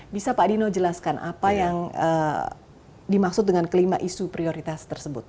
bisa pak dino jelaskan apa yang dimaksud dengan kelima isu prioritas tersebut